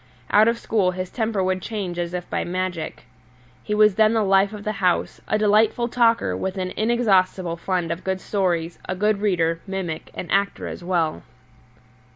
Out of school his temper would change as by magic. He was then the life of the house, a delightful talker with an inexhaustible fund of good stories, a good reader, mimic, and actor as well.